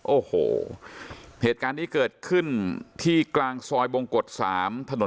โอ้โหเหตุการณ์นี้เกิดขึ้นที่กลางซอยบงกฎ๓ถนน